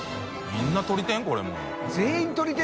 みんなとり天？